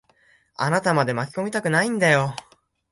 あなたまで巻き込みたくないんだよ。